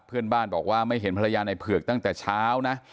เพื่อนบ้านบอกว่าไม่เห็นภรรยาในเผือกตั้งแต่เช้านะ